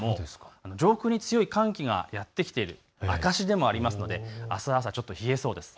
上空に強い寒気がやって来ている証しでもありますので、あす朝、冷えそうです。